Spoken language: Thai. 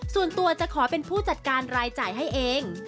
ส่วนตัวจะขอเป็นผู้จัดการรายจ่ายให้เอง